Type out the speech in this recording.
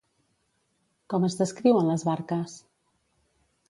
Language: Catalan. Com es descriuen les barques?